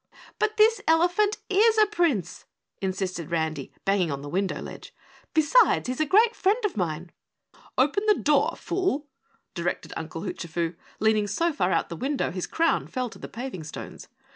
"But this elephant IS a Prince," insisted Randy, banging on the window ledge. "Besides, he's a great friend of mine." "Open the door, fool!" directed Uncle Hoochafoo, leaning so far out the window his crown fell to the paving stones.